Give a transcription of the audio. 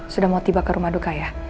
sudah mau tiba ke rumah duka ya